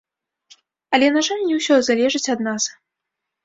Але, на жаль, не ўсё залежыць ад нас.